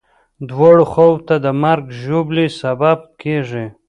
دواړو خواوو ته د مرګ ژوبلې سبب کېږي.